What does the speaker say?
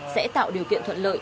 sẽ tạo điều kiện thuận lợi